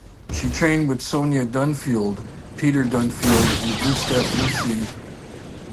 She trained with Sonia Dunfield, Peter Dunfield, and Gustav Lussi.